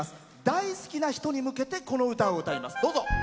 大好きな人に向けてこの歌を歌います。